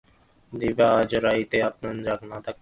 দিপা আমাকে বললো, আইজরাইতটা আপনে জাগনা থাকবেন।